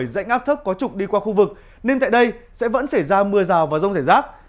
dãnh áp thấp có trục đi qua khu vực nên tại đây sẽ vẫn xảy ra mưa rào và rông rải rác